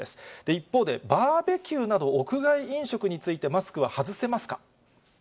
一方でバーベキューなど屋外飲食について、マスクは外せますか。